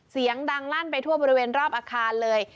เสียงดังลั่นไปทั่วบริเวณรอบอาคารเลย